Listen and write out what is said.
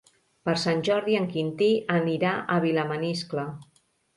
Per Sant Jordi en Quintí anirà a Vilamaniscle.